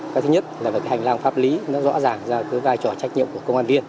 cái thứ nhất là phải cái hành lang pháp lý nó rõ ràng ra cái vai trò trách nhiệm của công an viên